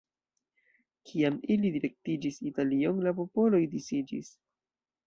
Kiam ili direktiĝis Italion la popoloj disiĝis.